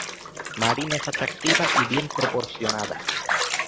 Marin es atractiva y bien proporcionada.